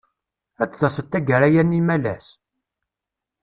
Ad d-taseḍ taggara-a n yimalas?